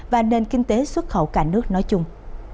và nền kinh tế xuất khẩu cả nước nói chung